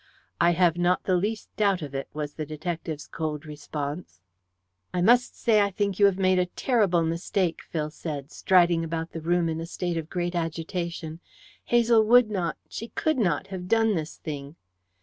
"I have not the least doubt of it," was the detective's cold response. "I must say I think you have made a terrible mistake," Phil said, striding about the room in a state of great agitation. "Hazel would not she could not have done this thing."